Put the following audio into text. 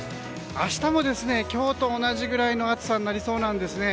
明日も今日と同じぐらいの暑さになりそうなんですね。